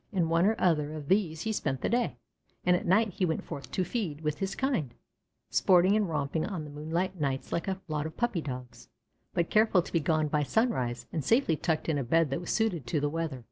In one or other of these he spent the day, and at night he went forth to feed with his kind, sporting and romping on the moonlight nights like a lot of puppy Dogs, but careful to be gone by sunrise, and safely tucked in a bed that was suited to the weather.